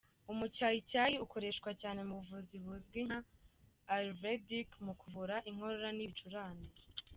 Umucyayicyayi ukoreshwa cyane mu buvuzi buzwi nka Ayurvedic mu kuvura inkorora n’ibicurane.